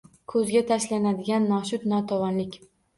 Ko‘zga tashlanadigan noshud-notavonlik.